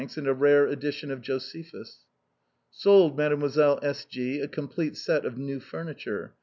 and a rare edition of Josephus. " Sold Mdlle. S. G a complete set of new furniture.